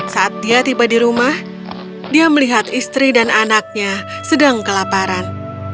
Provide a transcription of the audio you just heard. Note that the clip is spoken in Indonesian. saat dia tiba di rumah dia melihat istri dan anaknya sedang kelaparan